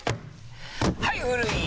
はい古い！